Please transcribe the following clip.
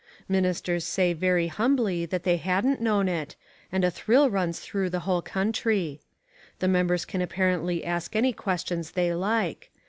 Ministers say very humbly that they hadn't known it, and a thrill runs through the whole country. The members can apparently ask any questions they like.